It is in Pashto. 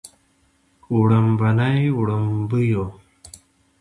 وړومبني وړومبيو